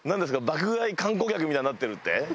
爆買い観光客みたいになってるって？